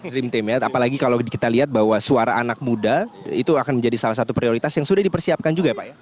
dream team ya apalagi kalau kita lihat bahwa suara anak muda itu akan menjadi salah satu prioritas yang sudah dipersiapkan juga ya pak ya